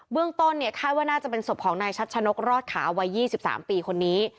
เรื่องต้นเนี่ยคาดว่าน่าจะเป็นศพของนายชัดชะนกรอดขาวัย๒๓ปีคนนี้